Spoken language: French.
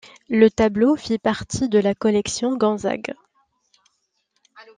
Le tableau fit partie de la Collection Gonzague.